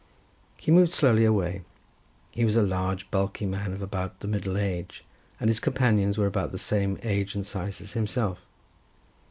He moved slowly away. He was a large bulky man of about the middle age, and his companions were about the same age and size as himself.